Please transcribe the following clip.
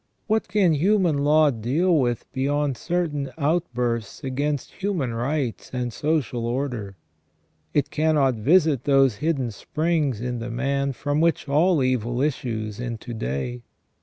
What can human law deal with beyond certain outbursts against human rights and social order ? It cannot visit those hidden springs in the man from which all evil issues into day.